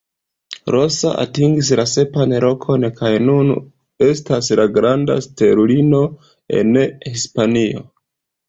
Rosa atingis la sepan lokon kaj nun estas granda stelulino en Hispanio.